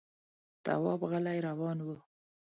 تواب غلی روان و.